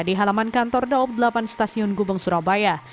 di halaman kantor daob delapan stasiun gubeng surabaya